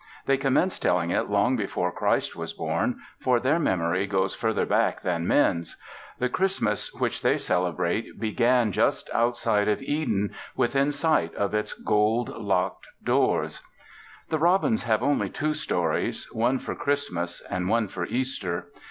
They commenced telling it long before Christ was born, for their memory goes further back than men's. The Christmas which they celebrate began just outside of Eden, within sight of its gold locked doors. The robins have only two stories: one for Christmas and one for Easter.